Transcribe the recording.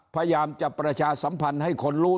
พยายามจะประชาสัมพันธ์ให้คนรู้